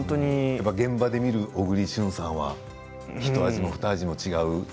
現場で見る小栗旬さんはひと味もふた味も違う。